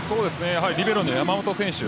リベロの山本選手。